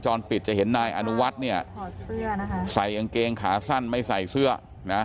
จรปิดจะเห็นนายอนุวัฒน์เนี่ยใส่กางเกงขาสั้นไม่ใส่เสื้อนะ